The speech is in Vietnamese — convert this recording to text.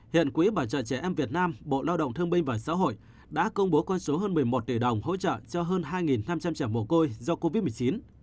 hiện quỹ bảo trợ trẻ em việt nam bộ lao động thương binh và xã hội đã công bố con số hơn một mươi một tỷ đồng hỗ trợ cho hơn hai năm trăm linh trẻ mồ côi do covid một mươi chín